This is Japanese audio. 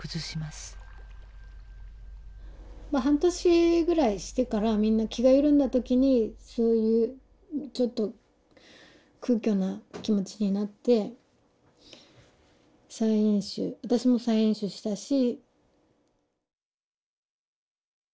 半年ぐらいしてからみんな気が緩んだ時にそういうちょっと空虚な気持ちになって再飲酒私も再飲酒したし。